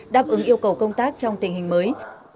đáp ứng yêu cầu công tác trong tình hình mới